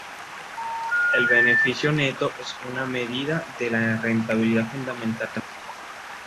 El beneficio neto es una medida de la rentabilidad fundamental de la empresa.